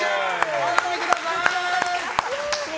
お飲みください！